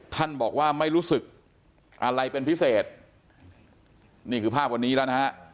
ท่านบอกว่าไม่รู้สึกอะไรเป็นพิเศษนี่คือภาพวันนี้แล้วนะฮะ